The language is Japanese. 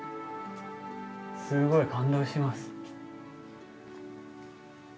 すごい感動します。